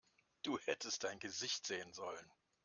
Du hättest dein Gesicht sehen sollen!